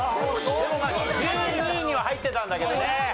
でもまあ１２位には入ってたんだけどね。